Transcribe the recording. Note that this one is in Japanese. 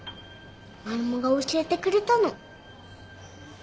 マルモが教えてくれたの。